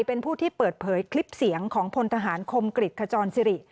เป็นผู้ที่เปิดเผยคลิปเสียงของพลทหารคมกริจขจรสิริ